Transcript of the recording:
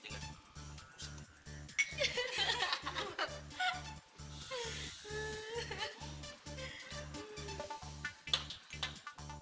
pasti dan tepat